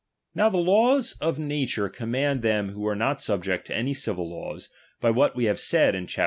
Now the law of nature t^ommands them who are not subject to any civil l^"ws, by what we have said in chap.